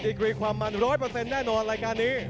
กรีความมัน๑๐๐แน่นอนรายการนี้